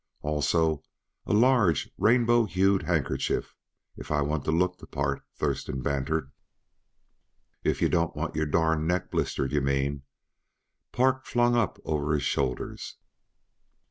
"Also a large, rainbow hued silk handkerchief if I want to look the part," Thurston bantered. "If yuh don't want your darned neck blistered, yuh mean," Park flung over his shoulders.